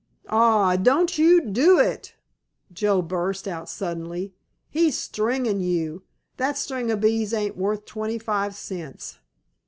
"Aw, don't you do it," Joe burst out suddenly. "He's stringin' you! That string of beads ain't worth twenty five cents."